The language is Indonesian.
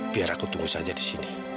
biar aku tunggu saja di sini